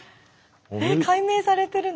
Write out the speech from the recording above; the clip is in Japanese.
えっ解明されてるの？